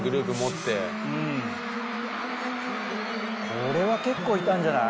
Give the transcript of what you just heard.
これは結構いたんじゃない？